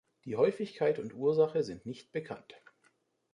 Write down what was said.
Die Häufigkeit und Ursache sind nicht bekannt.